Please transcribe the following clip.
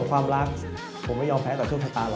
ครับมอดูอภัทมันเลยก็ค่อนข้างเชื่อนะ